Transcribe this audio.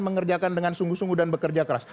mengerjakan dengan sungguh sungguh dan bekerja keras